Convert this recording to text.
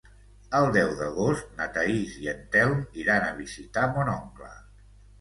El deu d'agost na Thaís i en Telm iran a visitar mon oncle.